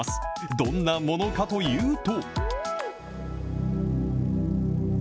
どんなものかというと。